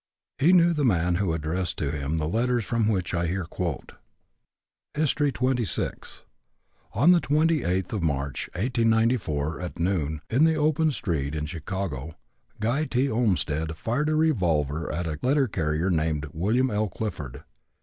He knew the man who addressed to him the letters from which I here quote: HISTORY XXVI. On the twenty eighth of March, 1894, at noon, in the open street in Chicago, Guy T. Olmstead fired a revolver at a letter carrier named William L. Clifford.